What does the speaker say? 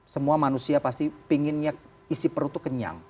semua manusia pasti pinginnya isi perutnya kenyang